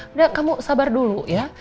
enggak kamu sabar dulu ya